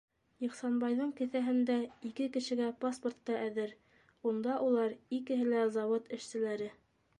Ихсанбайҙың кеҫәһендә ике кешегә паспорт та әҙер: унда улар икеһе лә завод эшселәре.